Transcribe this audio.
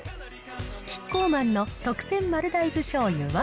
キッコーマンの特選丸大豆しょうゆは。